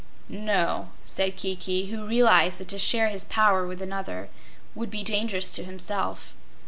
"No," said Kiki, who realized that to share his power with another would be dangerous to himself.